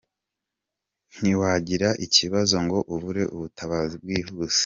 Ntiwagira ikibazo ngo ubure ubutabazi bwihuse.